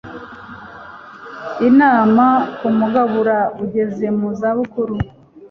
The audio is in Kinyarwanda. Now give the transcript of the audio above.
Inama ku Mugabura Ugeze mu Zabukuru